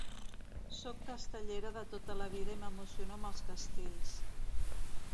Sóc castellera de tota la vida i m’emociono amb els castells.